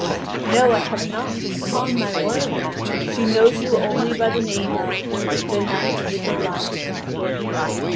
"No, I have not, upon my word. She knows you only by the name of 'The Knight with the Lion.'"